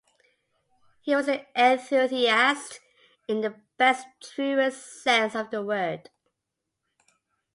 He was an enthusiast in the best and truest sense of the word.